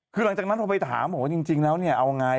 คือหลังจากนั้นโทรไปถามบอกว่าจริงแล้วเนี่ยเอาไง